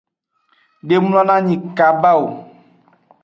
De mlonanyi kaba.